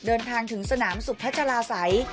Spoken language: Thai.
เดินทางถึงสนามสุพัชลาศัย